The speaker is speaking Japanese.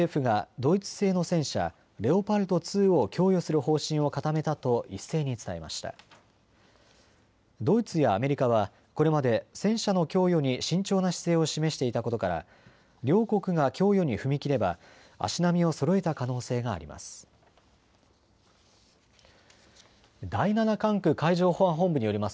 ドイツやアメリカはこれまで戦車の供与に慎重な姿勢を示していたことから両国が供与に踏み切れば足並みをそろえた可能性があります。